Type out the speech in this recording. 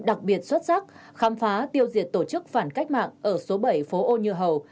đặc biệt xuất sắc khám phá tiêu diệt tổ chức phản cách mạng ở số bảy phố ô như hầu